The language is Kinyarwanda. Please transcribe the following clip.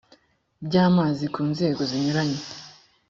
by amazi ku nzego zinyuranye